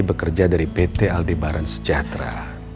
bekerja dari pt aldebaran sejahtera